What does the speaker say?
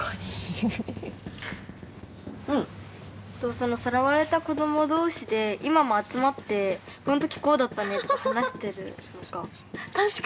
そのさらわれた子ども同士で今も集まって「この時こうだったね」って話してるのか。